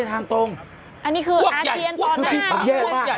อันนี้คืออาเทียอนตอนหน้า